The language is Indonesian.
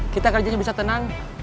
kita kerjanya bisa tenang